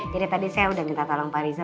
jadi tadi saya udah minta tolong pak riza